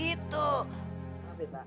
iya tapi kan tetep aja umi